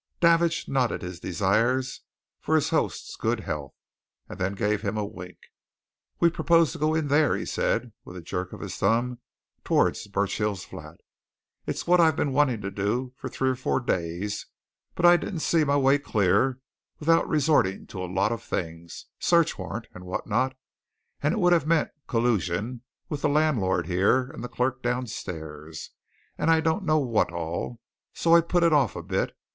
Davidge nodded his desires for his host's good health, and then gave him a wink. "We propose to go in there," he said with a jerk of his thumb towards Burchill's flat. "It's what I've been wanting to do for three or four days, but I didn't see my way clear without resorting to a lot of things search warrant, and what not and it would have meant collusion with the landlord here, and the clerk downstairs, and I don't know what all, so I put it off a bit.